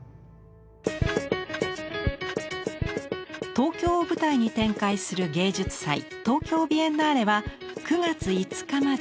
東京を舞台に展開する芸術祭「東京ビエンナーレ」は９月５日まで。